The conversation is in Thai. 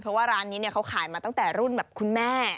เพราะว่าร้านนี้เขาขายมาตั้งแต่รุ่นแบบคุณแม่